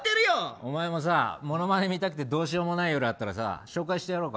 お前もモノマネ見たくてどうしようもない夜があったら紹介してやろうか。